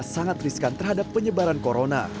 sangat riskan terhadap penyebaran corona